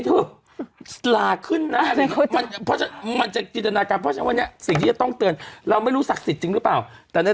ถ้าเกิดมีซ่วมซึมอยู่ตรงนั้น